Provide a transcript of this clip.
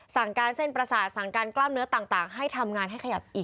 สั่งการเส้นประสาทสั่งการกล้ามเนื้อต่างให้ทำงานให้ขยับอีก